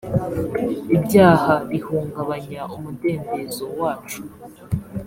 ibyaha bihungabanya umudendezo wacu